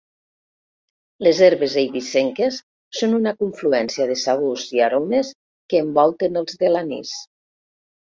Les Herbes Eivissenques són una confluència de sabors i aromes que envolten els de l'anís.